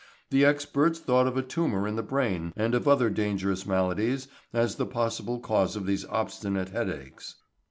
The experts thought of a tumor in the brain and of other dangerous maladies as the possible cause of these obstinate headaches.